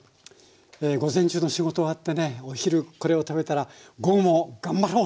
午前中の仕事終わってねお昼これを食べたら午後も頑張ろう！